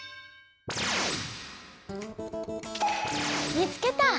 見つけた！